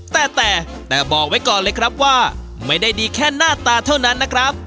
แต่แต่บอกไว้ก่อนเลยครับว่าไม่ได้ดีแค่หน้าตาเท่านั้นนะครับ